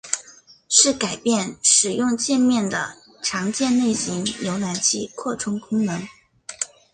是改变使用介面的常见类型浏览器扩充功能。